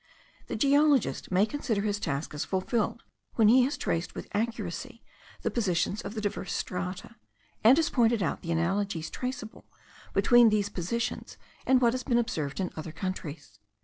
The geologist may consider his task as fulfilled when he has traced with accuracy the positions of the diverse strata; and has pointed out the analogies traceable between these positions and what has been observed in other countries.